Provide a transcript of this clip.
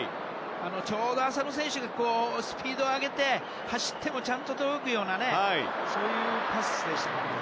ちょうど浅野選手がスピードを上げて走ってもちゃんと届くようなそういうパスでしたね。